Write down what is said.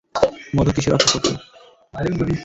মধু, কীসের অপেক্ষা করছো?